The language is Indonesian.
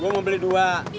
gua mau beli dua